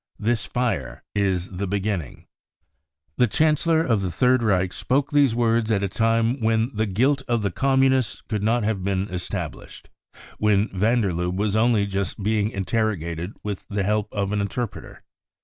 This fire is the beginning." The Chancellor of the Third Reich spoke these words at a time when the " guilt " of the Communists could not have * been established, when van der Lubbe was only just being interrogated with the help of an interpreter.